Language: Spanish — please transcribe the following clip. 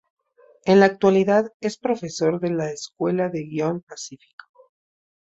En la actualidad es profesor de la Escuela de guion Pacífico.